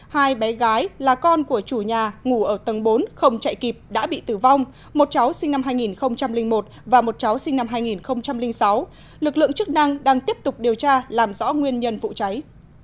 hai bé gái là con của chủ nhà ngủ ở tầng bốn không chạy kịp đã bị tử vong một cháu sinh năm hai nghìn một và một cháu sinh năm hai nghìn sáu lực lượng chức năng đang tiếp tục điều tra làm rõ nguyên nhân vụ cháy